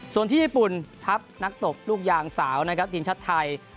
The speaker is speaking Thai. ส่วนที่ญี่ปุ่นทัพนักตบลูกยางสาวนะครับทีมชาติไทย